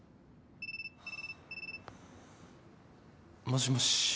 もしもし。